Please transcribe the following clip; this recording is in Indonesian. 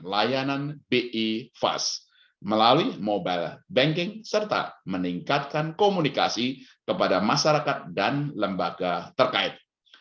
layanan bi fast melalui mobile banking serta meningkatkan komunikasi kepada masyarakat dan lembaga terkait